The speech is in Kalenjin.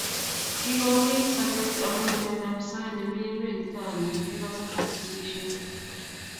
Kikouit sobet amu nametab osoya nemi emet nito anyun kikotes ak sosisiet